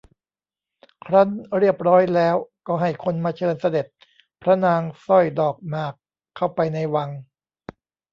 ครั้นเรียบร้อยแล้วก็ให้คนมาเชิญเสด็จพระนางสร้อยดอกหมากเข้าไปในวัง